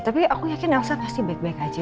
tapi aku yakin elsa pasti baik baik aja